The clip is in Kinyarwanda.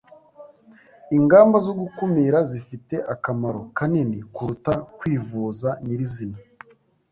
Ingamba zo gukumira zifite akamaro kanini kuruta kwivuza nyirizina.